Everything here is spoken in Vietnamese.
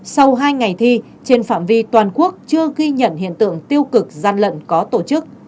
sau hai ngày thi trên phạm vi toàn quốc chưa ghi nhận hiện tượng tiêu cực gian lận có tổ chức